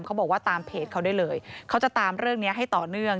เขาบอกว่าตามเพจเขาได้เลยเขาจะตามเรื่องนี้ให้ต่อเนื่อง